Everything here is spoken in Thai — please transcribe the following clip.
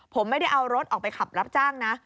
ผมไม่ได้เอารถออกไปขับรับจ้างนะ